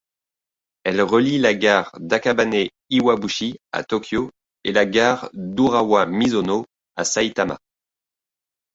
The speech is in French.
Elle relie la gare d'Akabane-Iwabuchi à Tokyo et la gare d'Urawa Misono à Saitama.